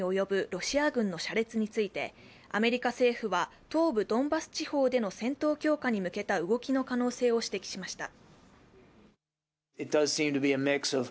ロシア軍の車列についてアメリカ政府は東部ドンバス地方での戦闘強化に向けた動きの可能性を指摘しました。